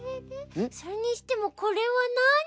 それにしてもこれはなあに？